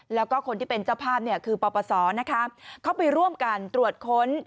แล้วก็คนที่เป็นเจ้าภาพคือปปศเข้าไปร่วมกันตรวจค้น